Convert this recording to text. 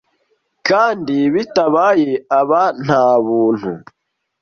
kandi bitabaye aba nta buntu